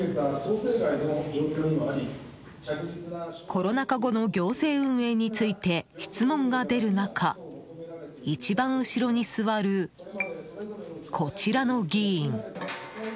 コロナ禍後の行政運営について質問が出る中一番後ろに座る、こちらの議員。